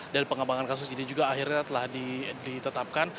dan pengembangan kasus ini juga akhirnya telah ditetapkan